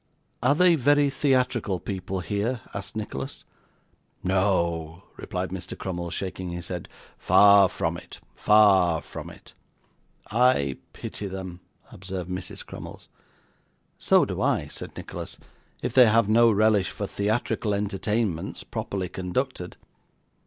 'Are they very theatrical people here?' asked Nicholas. 'No,' replied Mr. Crummles, shaking his head, 'far from it far from it.' 'I pity them,' observed Mrs. Crummles. 'So do I,' said Nicholas; 'if they have no relish for theatrical entertainments, properly conducted.